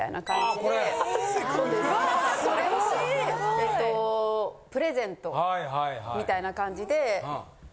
えっとプレゼントみたいな感じで。